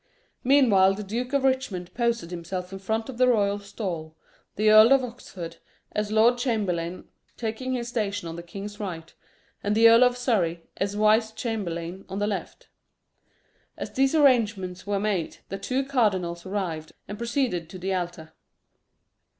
Meanwhile the Duke of Richmond posted himself in front of the royal stall, the Earl of Oxford, as lord chamberlain, taking his station on the king's right, and the Earl of Surrey, as vice chamberlain, on the left. As these arrangements were made, the two cardinals arrived, and proceeded to the altar.